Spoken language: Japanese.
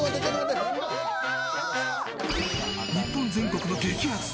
日本全国の激アツ！